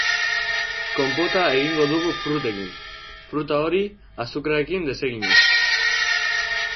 Konpota egingo dugu frutekin, fruta hori azukrearekin deseginez.